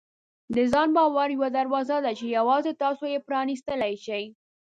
د ځان باور یوه دروازه ده چې یوازې تاسو یې پرانیستلی شئ.